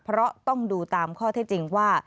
เพราะต้องดูตามข้อเท็จจริงว่า